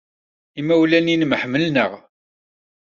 Imawlan-nnem ḥemmlen-aɣ.